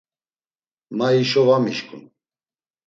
Ma hişo va mişkun.